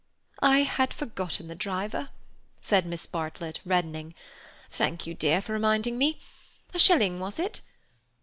"I had forgotten the driver," said Miss Bartlett, reddening. "Thank you, dear, for reminding me. A shilling was it?